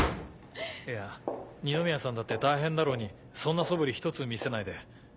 いや二宮さんだって大変だろうにそんなそぶりひとつ見せないで。